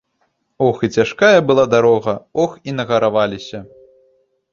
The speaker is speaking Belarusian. Ох і цяжкая была дарога, ох і нагараваліся.